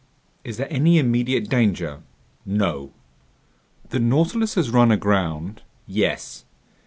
"Is there any immediate danger?" "No." "The Nautilus has run aground?" "Yes."